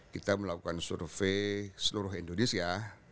kita melakukan survei seluruh indonesia